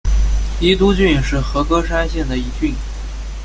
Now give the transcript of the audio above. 伊都郡是和歌山县的一郡。